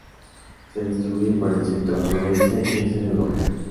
Se distribuye por el centro, sureste y este de Europa.